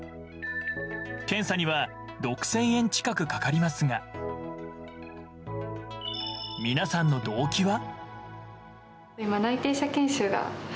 検査には６０００円近くかかりますが皆さんの動機は？